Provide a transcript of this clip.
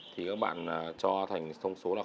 thì các bạn cho thành thông số là